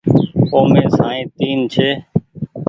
اومي سائين تين ڇي۔